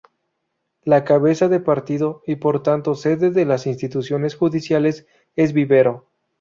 La cabeza de partido y por tanto sede de las instituciones judiciales es Vivero.